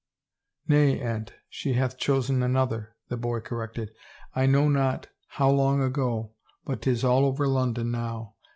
" Nay, aunt, she hath chosen another," the boy cor rected. " I know not how long ago but 'tis all over London now.